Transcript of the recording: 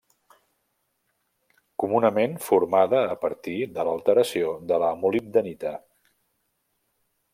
Comunament formada a partir de l'alteració de la molibdenita.